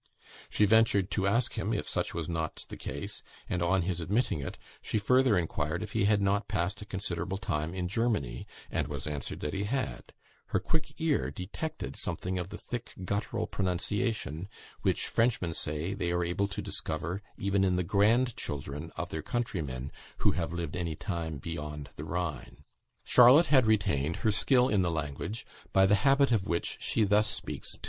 She ventured to ask him if such was not the case; and, on his admitting it, she further inquired if he had not passed a considerable time in Germany, and was answered that he had; her quick ear detected something of the thick guttural pronunciation, which, Frenchmen say, they are able to discover even in the grandchildren of their countrymen who have lived any time beyond the Rhine. Charlotte had retained her skill in the language by the habit of which she thus speaks to M.